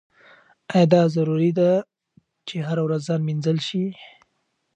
ایا دا ضروري ده چې هره ورځ ځان مینځل شي؟